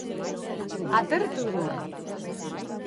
Atertu du.